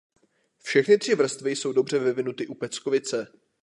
Všechny tři vrstvy jsou dobře vyvinuty u peckovice.